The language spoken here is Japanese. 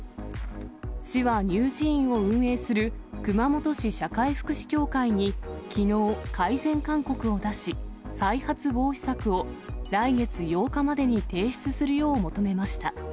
市は乳児院を運営する熊本市社会福祉協会に、きのう、改善勧告を出し、再発防止策を来月８日までに提出するよう求めました。